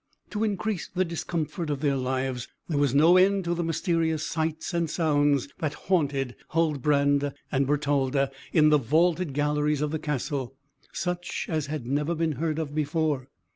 To increase the discomfort of their lives, there was no end to the mysterious sights and sounds that haunted Huldbrand and Bertalda in the vaulted galleries of the castle; such as had never been heard of before.